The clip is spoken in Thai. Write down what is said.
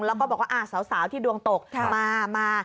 แล้วก็บอกว่าสาวที่ดวงตกมามา